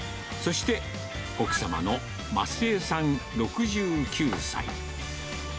そして、奥様のますえさん６９歳。